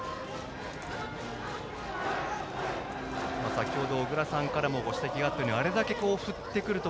先程、小倉さんからもご指摘があったようにあれだけ振ってくると